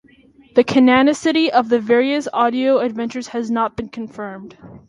The canonicity of the various audio adventures has not been confirmed.